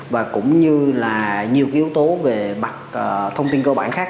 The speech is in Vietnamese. và cũng như là nhiều cái yếu tố về mặt thông tin cơ bản khác